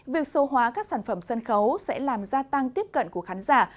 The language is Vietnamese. việc số hóa các sản phẩm sân khấu sẽ làm gia tăng tiếp cận của khán giả